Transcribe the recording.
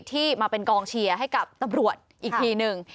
ที่มาเป็นกองเชียร์ให้กับตำรวจอีกทีหนึ่ง